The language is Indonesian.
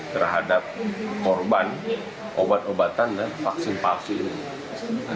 terhadap korban obat obatan dan vaksin palsu ini